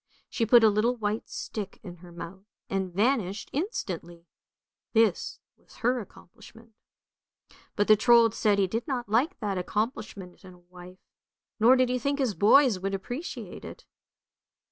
She put a little white stick in her mouth and vanished instantly; this was her accomplishment. But the Trold said he did not like that accomplishment in a wife, nor did he think his boys would appreciate it.